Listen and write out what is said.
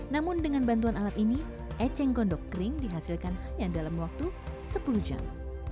namun dengan bantuan alat ini eceng gondok kering dihasilkan hanya dalam waktu sepuluh jam